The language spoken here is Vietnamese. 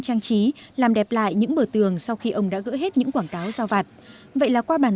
trang trí làm đẹp lại những bờ tường sau khi ông đã gỡ hết những quảng cáo giao vặt vậy là qua bàn